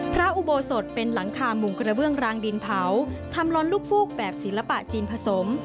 อุโบสถเป็นหลังคามุงกระเบื้องรางดินเผาทำล้นลูกฟูกแบบศิลปะจีนผสม